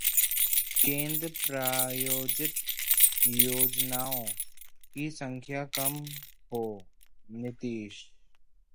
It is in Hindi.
केंद्र प्रायोजित योजनाओं की संख्या कम हो: नीतीश